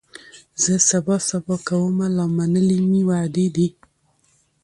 زه سبا سبا کومه لا منلي مي وعدې دي